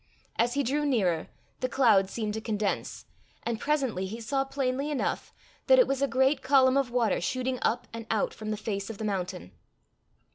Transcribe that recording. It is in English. As he drew nearer, the cloud seemed to condense, and presently he saw plainly enough that it was a great column of water shooting up and out from the face of the mountain.